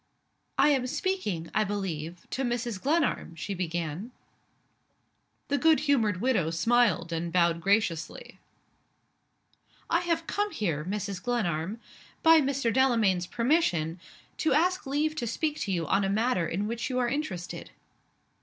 "I am speaking, I believe, to Mrs. Glenarm?" she began. The good humored widow smiled and bowed graciously. "I have come here, Mrs. Glenarm by Mr. Delamayn's permission to ask leave to speak to you on a matter in which you are interested."